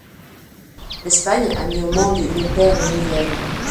L'Espagne a mis au monde une perle nouvelle.